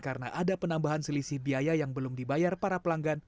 karena ada penambahan selisih biaya yang belum dibayar para pelanggan